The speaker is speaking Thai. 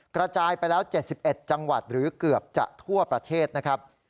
กระจายไปแล้ว๗๑จังหวัดหรือเกือบจะทั่วประเทศนะครับ